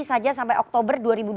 saja sampai oktober dua ribu dua puluh